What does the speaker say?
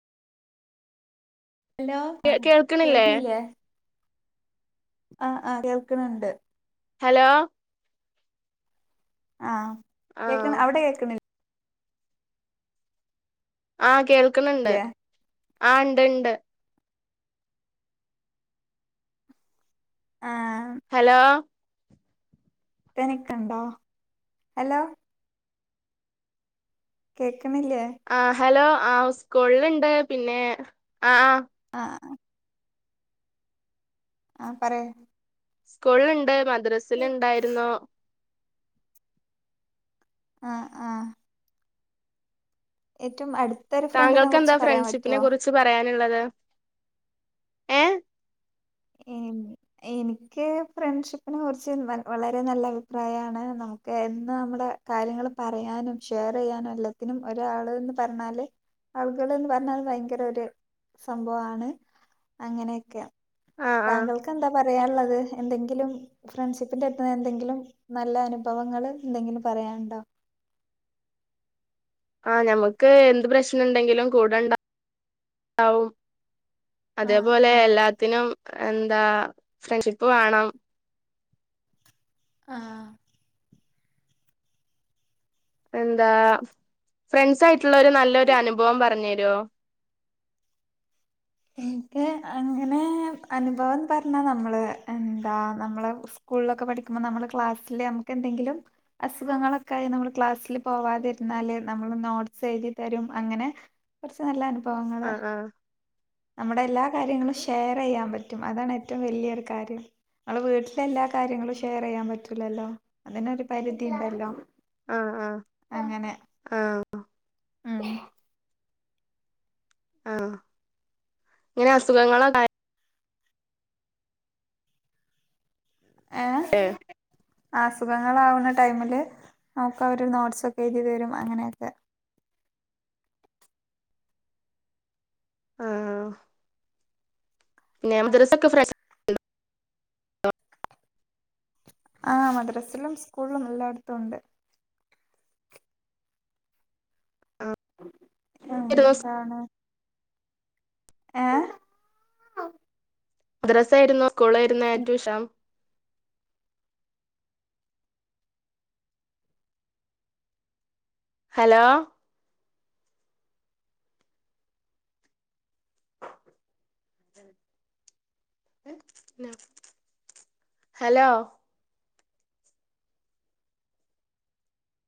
Hello ആ കേൾക്കണില്ലേ കേൾകുന്നില്ലേ ആഹ് ആഹ് കേൾക്ക്ണണ്ട് ഹലോ ആ കേക്ക ആഹ് അവിടെ കേക്കണി ആ കേൾക്കണണ്ട് ആ ഉണ്ട്ണ്ട്. ആ. ഹലോ? ഇപ്പനിക്കുണ്ടോ? ഹലോ? കേക്കണില്ലേ? ആഹ് ഹലോ ആ സ്കൂളിലുണ്ട് പിന്നെ ആ ആ ആ ആ പറേ. സ്കൂളുണ്ട് മദ്രസയിൽ ഉണ്ടായിരുന്നു. ആ ആ ഏറ്റവും അടു താങ്കൾക്ക് എന്താ ഫ്രണ്ട്ഷിപ്പിനെ കുറിച്ച് പറയാൻ ള്ളത് ഏ? എനി എനിക്ക് ഫ്രണ്ട്ഷിപ്പിനെ കുറിച്ച് വളരെ നല്ല അഭിപ്രായമാണ് ന എന്ന് നമ്മള കാര്യങ്ങള് പറയാനും ഷെയർ ചെയ്യാനും എല്ലാത്തിനും ഒരാള്ന്ന് പറഞ്ഞാല് ആളുകൾ എന്ന് പറഞ്ഞാൽ ഭയങ്കര ഒരു സംഭവമാണ് അങ്ങനെയൊക്കെ. ആഹ് ആഹ് താങ്കൾക്ക് എന്താ പറയാനുള്ളത്? എന്തെങ്കിലും ഫ്രണ്ട്ഷിപ്പിന്റെ എത്തുന്ന എന്തെങ്കിലും നല്ല അനുഭവങ്ങൾ എന്തെങ്കിലും പറയാനുണ്ടോ? ആ ഞമ്മുക്ക് എന്ത് പ്രശ്നുണ്ടെങ്കിലും കൂടെണ്ടാവും. ആഹ് അതേപോലെ ആഹ് എല്ലാത്തിനും എന്താ ഫ്രണ്ട്ഷിപ്പ് വാണം. ആഹ് എന്താ ഫ്രെണ്ട്സ് ആയിട്ടുള്ള ഒരു നല്ലൊരു അനുഭവം പറഞ്ഞു തരോ? അങ്ങനെ അനുഭവന്ന് പറഞ്ഞ നമ്മള് എന്താ നമ്മള് സ്കൂളിലൊക്കെ പഠ നമ്മളെ ക്ലാസ്സില് നമ്മക്ക് എന്തെങ്കിലും അസുഖങ്ങളൊക്കെ ആയി നമ്മള് ക്ലാസിൽ പോവാതിരുന്നാല് നം നോട്ട്സ് എഴുതി തരും അങ്ങനെ കുറച്ച് നല്ല അനുഭവങ്ങള് ആഹ് ആഹ് നമ്മുടെ എല്ലാ കാര്യങ്ങളും ഷെയർ ചെയ്യാൻ പറ്റും അതാണ് ഏറ്റവും വലിയൊരു കാര്യം. ഞങ്ങളെ വീട്ടില എല്ലാ കാര്യങ്ങളും ഷെയർ ചെയ്യാൻ പറ്റൂലല്ലോ അതിനൊരു പരിധി ഉണ്ടല്ലോ. ആഹ് ആഹ് ആഹ്. ആ ആ ഇങ്ങനെ അസുഖങ്ങളോ ക ഏ അസുഖങ്ങളാവുന്ന ടൈമില് നമുക്ക് അവര് നോട്ട്സൊക്കെ എഴുതി തരും അങ്ങനെയൊക്കെ. ആഹ് പിന്നെ [unintelligible] ആഹ് മദ്രസിലും സ്കൂളിലും എല്ലായിടത്തും ഉണ്ട്. എന്താണ് ഏ? മദ്രസായിരുന്നു സ്കൂളിലായിരുന്നു ഏറ്റവും ഷാമ് ഹലോ? ഹലോ?